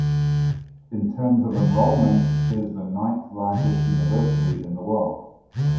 In terms of enrollment, it is the ninth largest university in the world.